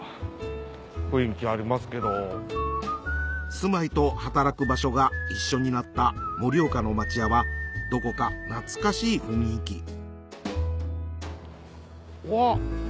住まいと働く場所が一緒になった盛岡の町屋はどこか懐かしい雰囲気うわっ